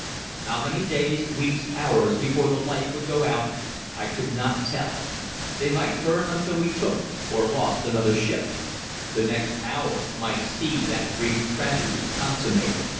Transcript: How many days, weeks, hours, before the lights would go out, I could not tell: they might burn until we took or lost another ship; the next hour might see that brief tragedy consummated.